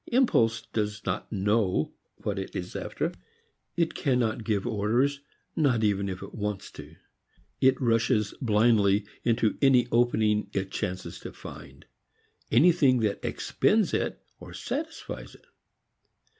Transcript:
Impulse does not know what it is after; it cannot give orders, not even if it wants to. It rushes blindly into any opening it chances to find. Anything that expends it, satisfies it.